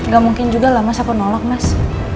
gak mungkin juga lah mas aku nolak mas